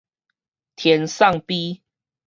天送埤